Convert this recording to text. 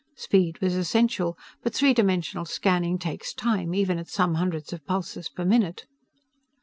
Speed was essential. But three dimensional scanning takes time, even at some hundreds of pulses per minute.